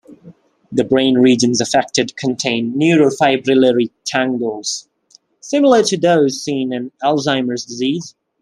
The brain regions affected contain neurofibrillary tangles, similar to those seen in Alzheimer's disease.